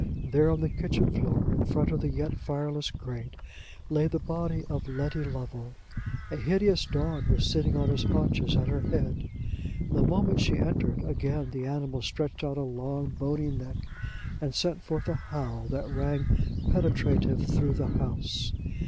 There, on the kitchen floor, in front of the yet fireless grate, lay the body of Letty Lovel. A hideous dog was sitting on his haunches at her head. The moment she entered, again the animal stretched out a long, bony neck, and sent forth a howl that rang penetrative through the house.